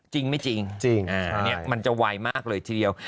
จริงไม่จริงอันนี้มันจะไวมากเลยทีเดียว